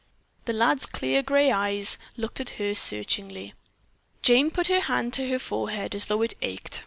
The lad's clear grey eyes looked at her searchingly. Jane put her hand to her forehead as though it ached.